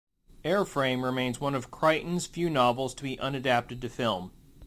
"Airframe" remains one of Crichton's few novels to be unadapted to film.